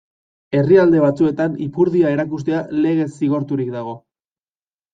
Herrialde batzuetan ipurdia erakustea legez zigorturik dago.